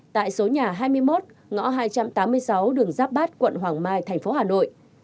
tại số nhà hai mươi một ngõ hai trăm tám mươi sáu đường giáp bát quận hoàng mai thành phố hà nội